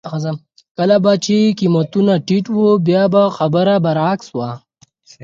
کله به چې قېمتونه ټیټ وو بیا خبره برعکس وه.